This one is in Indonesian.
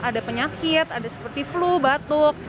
ada penyakit ada seperti flu batuk